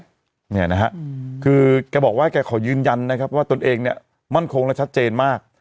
เนี่ยนะฮะคือแกบอกว่าแกขอยืนยันนะครับว่าตนเองเนี่ยมั่นคงและชัดเจนมาก